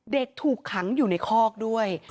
เด็กถูกขังอยู่ในคอกด้วย